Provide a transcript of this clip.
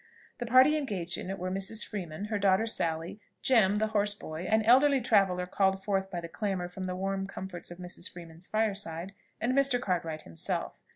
The parties engaged in it were Mrs. Freeman, her daughter Sally, Jem the horse boy, an elderly traveller called forth by the clamour from the warm comforts of Mrs. Freeman's fireside, and Mr. Cartwright himself.